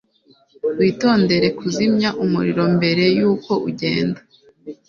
Witondere kuzimya umuriro mbere yuko ugenda.